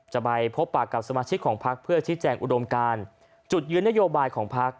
จะไปพบปากกับสมาชิกของพักเพื่อชี้แจงอุดมการจุดยืนนโยบายของพัก